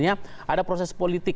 layar kedua adalah proses politik